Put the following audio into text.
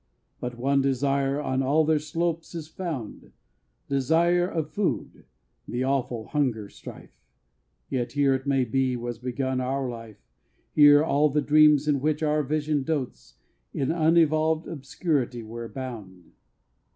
But one desire on all their slopes is found, Desire of food, the awful hunger strife, Yet here, it may be, was begun our life Here all the dreams on which our vision dotes In unevolved obscurity were bound.